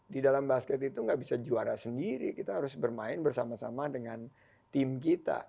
di dalam basket itu nggak bisa juara sendiri kita harus bermain bersama sama dengan tim kita